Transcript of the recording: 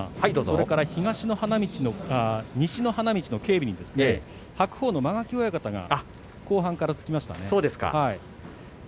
西の花道の警備に白鵬の間垣親方が後半からつきましたね。